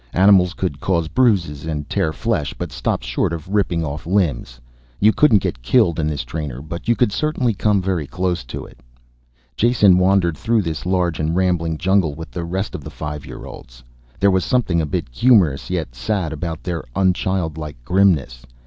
Animals could cause bruises and tear flesh, but stopped short of ripping off limbs. You couldn't get killed in this trainer, but could certainly come very close to it. Jason wandered through this large and rambling jungle with the rest of the five year olds. There was something a bit humorous, yet sad, about their unchildlike grimness.